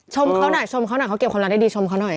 ชมเขาหน่อยเขาเก็บความลับได้ดีชมเขาหน่อย